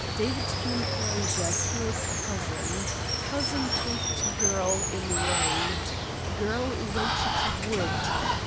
David Hume Frazer killed cousin. Cousin talked girl in road. Girl waited wood.